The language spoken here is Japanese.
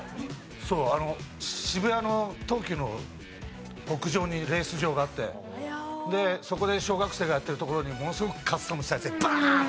そうあの渋谷の東急の屋上にレース場があってそこで小学生がやってるところにものすごくカスタムしたやつでバーン！